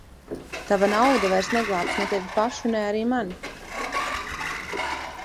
Tava nauda vairs neglābs ne tevi pašu, ne arī mani!